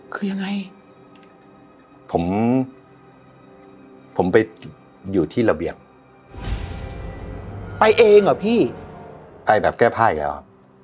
คือยังไงผมผมไปอยู่ที่ระเบียบไปเองเหรอพี่ไปแบบแก้ผ้าอีกแล้วอ่ะ